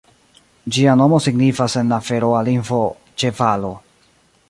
Ĝia nomo signifas en la feroa lingvo "ĉevalo".